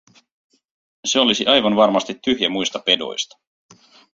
Se olisi aivan varmasti tyhjä muista pedoista.